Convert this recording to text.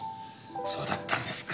そうだったんですか。